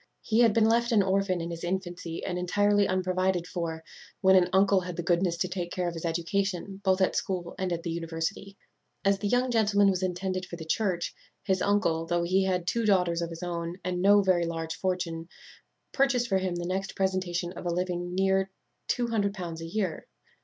He had been left an orphan in his infancy, and entirely unprovided for, when an uncle had the goodness to take care of his education, both at school and at the university. As the young gentleman was intended for the church, his uncle, though he had two daughters of his own, and no very large fortune, purchased for him the next presentation of a living of near L200 a year.